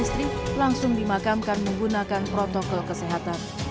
istri langsung dimakamkan menggunakan protokol kesehatan